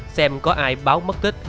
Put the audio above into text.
xem có ai báo mất tích